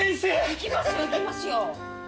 いきますよいきますよ。